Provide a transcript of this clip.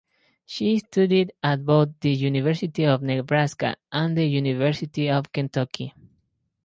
She studied at both the University of Nebraska and the University of Kentucky.